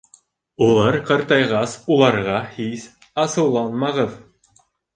Улар ҡартайғас, уларға һис асыуланмағыҙ.